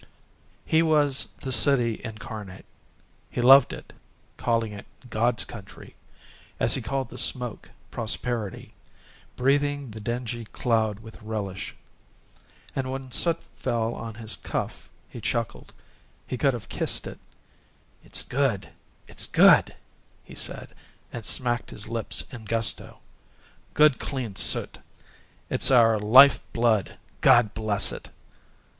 He was the city incarnate. He loved it, calling it God's country, as he called the smoke Prosperity, breathing the dingy cloud with relish. And when soot fell upon his cuff he chuckled; he could have kissed it. "It's good! It's good!" he said, and smacked his lips in gusto. "Good, clean soot; it's our life blood, God bless it!"